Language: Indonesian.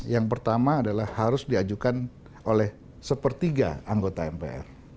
yang pertama adalah harus diajukan oleh sepertiga anggota mpr